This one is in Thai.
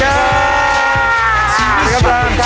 สวัสดีครับ